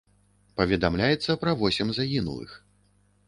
Паведамляецца пра восем загінулых.